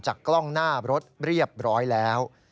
กล้องหน้ารถเรียบร้อยแล้ว